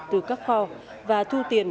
từ các kho và thu tiền